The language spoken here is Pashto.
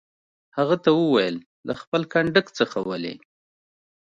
هغه ته وویل: له خپل کنډک څخه ولې.